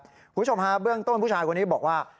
คุณผู้ชมฮะเบื้องต้นผู้ชายคนนี้บอกว่า